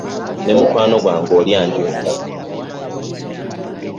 Ne mukwano gwange oli anjulira.